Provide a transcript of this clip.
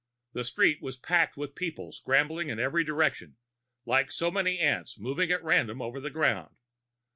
The street was packed with people scrambling in every direction, like so many ants moving at random over the ground.